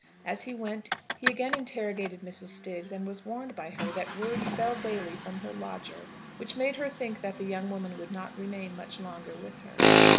As he went, he again interrogated Mrs. Stiggs, and was warned by her that words fell daily from her lodger which made her think that the young woman would not remain much longer with her.